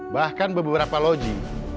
bahkan beberapa loji